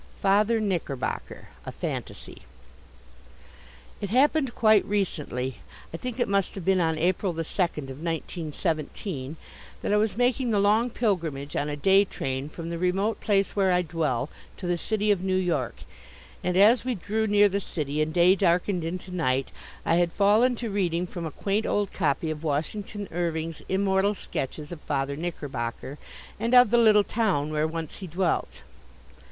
Father Knickerbocker: A Fantasy It happened quite recently I think it must have been on April the second of 1917 that I was making the long pilgrimage on a day train from the remote place where I dwell to the city of New York. And as we drew near the city, and day darkened into night, I had fallen to reading from a quaint old copy of Washington Irving's immortal sketches of Father Knickerbocker and of the little town where once he dwelt.